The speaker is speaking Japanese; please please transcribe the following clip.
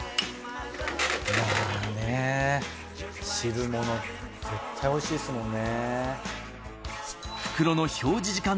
まぁね汁物絶対おいしいですもんね。